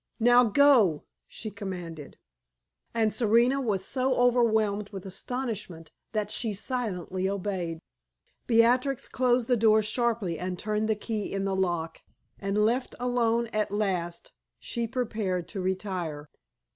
"Now, go!" she commanded. And Serena was so overwhelmed with astonishment that she silently obeyed. Beatrix closed the door sharply and turned the key in the lock, and, left alone at last, she prepared to retire.